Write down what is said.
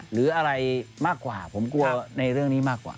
หรืออะไรมากกว่าผมกลัวในเรื่องนี้มากกว่า